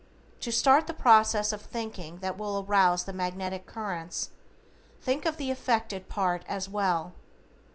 To start the process of thinking that will arouse the magnetic currents, think of the affected part as WELL.